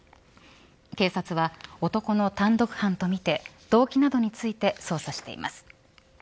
警察は男の単独犯とみて動機などについて捜査しています。